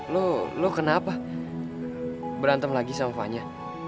lo lo kenapa berantem lagi sama fanya